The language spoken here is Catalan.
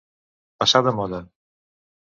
Passar de moda.